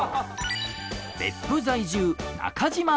別府在住中島知子。